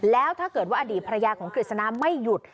แล้วถ้าเกิดว่าอดีตภรรยาของกฤษณาไม่หยุด